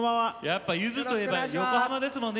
やっぱゆずといえば横浜ですもんね。